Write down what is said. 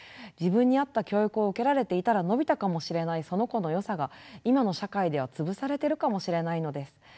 自分に合った教育を受けられていたら伸びたかもしれないその子のよさが今の社会では潰されているかもしれないのです。